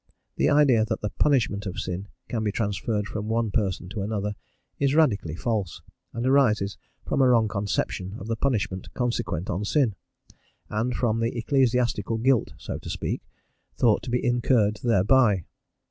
The idea that the punishment of sin can be transferred from one person to another is radically false, and arises from a wrong conception of the punishment consequent on sin, and from the ecclesiastical guilt, so to speak, thought to be incurred thereby.